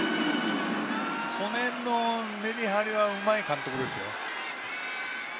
この辺のメリハリはうまい監督です。